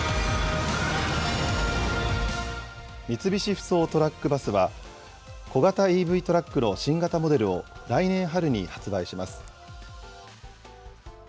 三菱ふそうトラック・バスは、小型ＥＶトラックの新型モデルを来年春に発売します。